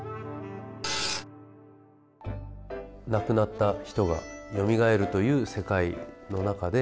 亡くなった人がよみがえるという世界の中で。